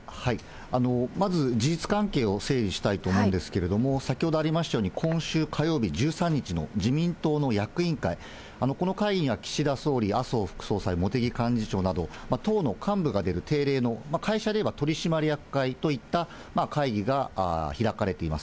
まず事実関係を整理したいと思うんですけれども、先ほどありましたように今週火曜日、１３日の自民党の役員会、この会議が、岸田総理、麻生副総裁、茂木幹事長など、党の幹部が出る定例の、会社で言えば取締役会といった会議が開かれています。